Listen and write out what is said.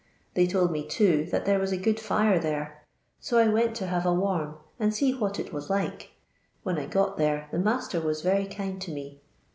They told me, too, that there was a good fire there, so I went to have a warm and see what it was like. When I got there the master was very kind to me.